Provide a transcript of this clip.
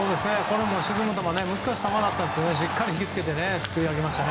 沈む球で難しい球だったんですがしっかり引き付けてすくい上げましたね。